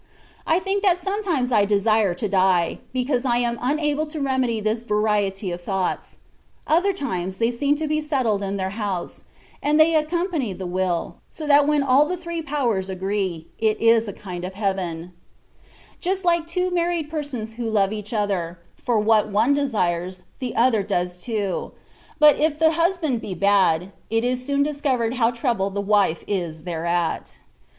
I think that sometimes I desire to die, because I am unable to remedy this variety of thoughts : other times they seem to be settled in their house, and they accompany the will, so that when all the three powers agree, it is a kind of heaven ; just like two married persons who love each other, for * This sentence I am unable to understand. 154 THE WAY OP PERPBCTION. what one desires the other does too : but if the husband be bad, it is soon discovered how troubled the wife is thereat.